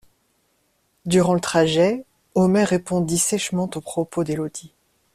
Durant le trajet, Omer répondit sèchement aux propos d'Élodie.